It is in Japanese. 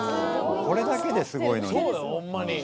これだけですごい。